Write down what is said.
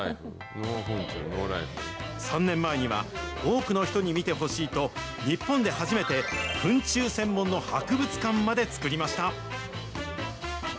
３年前には、多くの人に見てほしいと、日本で初めてフン虫専門の博物館まで作りました。